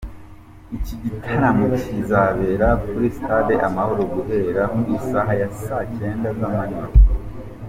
Iki gitaramo kizabera kuri Stade Amahoro guhera ku isaha ya saa cyanda z’amanywa.